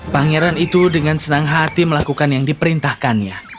pangeran itu dengan senang hati melakukan yang diperintahkannya